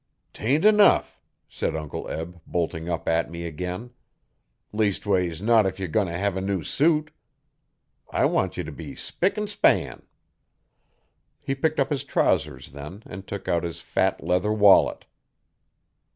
''Tain't enough,' said Uncle Eb, bolting up at me again. 'Leastways not if ye're goin' t' hev a new suit. I want ye t' be spick an' span.' He picked up his trousers then, and took out his fat leather wallet.